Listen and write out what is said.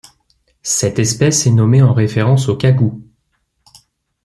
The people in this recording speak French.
Cette espèce est nommée en référence au Cagou.